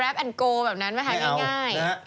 แบบนั้นไม่ให้ง่าย